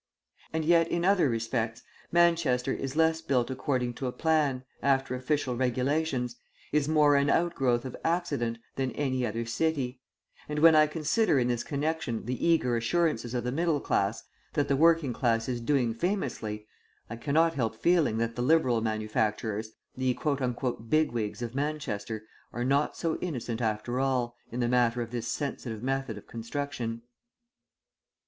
And yet, in other respects, Manchester is less built according to a plan, after official regulations, is more an outgrowth of accident, than any other city; and when I consider in this connection the eager assurances of the middle class, that the working class is doing famously, I cannot help feeling that the liberal manufacturers, the "Big Wigs" of Manchester, are not so innocent after all, in the matter of this sensitive method of construction.